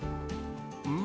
うん。